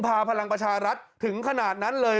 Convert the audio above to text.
พลังประชารัฐถึงขนาดนั้นเลย